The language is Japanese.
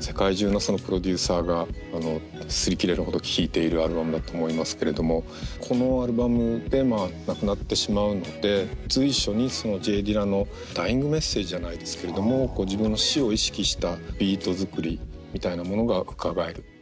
世界中のプロデューサーが擦り切れるほど聴いているアルバムだと思いますけれどもこのアルバムで亡くなってしまうので随所にＪ・ディラのダイイングメッセージじゃないですけれども自分の死を意識したビート作りみたいなものがうかがえる。